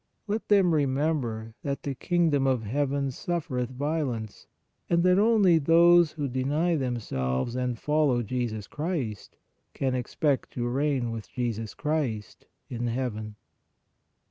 Let them re member that " the kingdom of heaven suffereth violence," and that only those who deny themselves and follow Jesus Christ, can expect to reign with Jesus Christ in heaven.